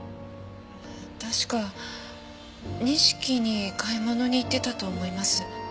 確か錦に買い物に行ってたと思います。